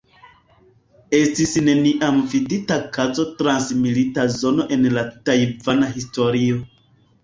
Estis neniam vidita kazo trans milita zono en la tajvana historio.